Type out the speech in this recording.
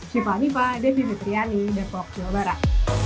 siva hanifa devi fitriani depok jawa barat